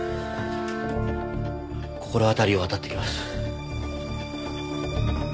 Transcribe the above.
心当たりをあたってきます。